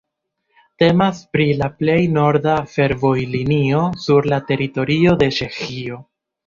Temas pri la plej norda fervojlinio sur la teritorio de Ĉeĥio.